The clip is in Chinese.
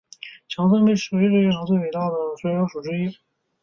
强森被视为史上最伟大的摔角选手之一。